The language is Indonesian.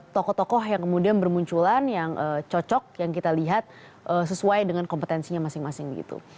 tokoh tokoh yang kemudian bermunculan yang cocok yang kita lihat sesuai dengan kompetensinya masing masing gitu